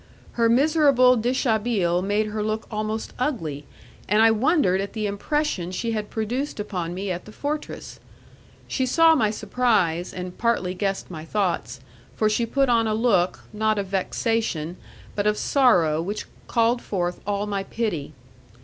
Her miserable dishabille made her look almost ugly, and I wondered at the impression she had produced upon me at the fortress. She saw my surprise, and partly guessed my thoughts, for she put on a look, not of vexation, but of sorrow which called forth all my pity.